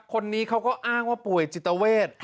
คนนี้เขาก็อ้างว่าป่วยจิตเวท